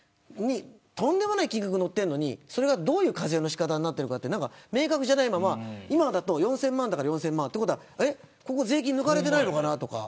とんでもない金額がのってるのにどういう課税の仕方をしてるのか明確じゃないまま、今だと４０００万だから４０００万税金抜かれてないのかなとか。